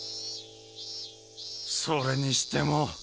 それにしても。